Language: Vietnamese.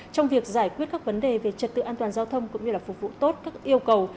trong việc giải quyết các vấn đề về trật tự an toàn giao thông cũng như là phục vụ tốt các yêu cầu